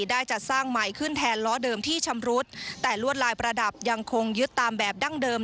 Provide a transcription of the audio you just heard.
ได้จัดสร้างใหม่ขึ้นแทนล้อเดิมที่ชำรุดแต่ลวดลายประดับยังคงยึดตามแบบดั้งเดิม